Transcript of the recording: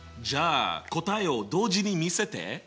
じゃあ答えを同時に見せて。